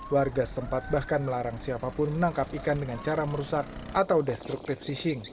warga sempat bahkan melarang siapapun menangkap ikan dengan cara merusak atau destructive fishing